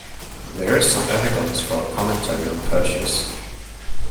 There is some evidence for a commentary on Persius.